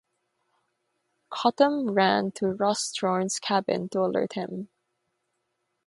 Cottam ran to Rostron's cabin to alert him.